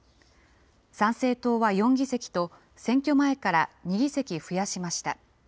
参政党は４議席と、選挙前から２議席増やしました。